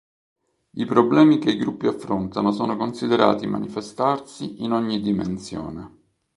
I problemi che i gruppi affrontano sono considerati manifestarsi in ogni dimensione.